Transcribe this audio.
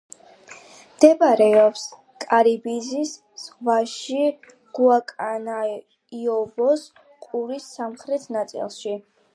მდებარეობს კარიბის ზღვაში, გუაკანაიაბოს ყურის სამხრეთ ნაწილში.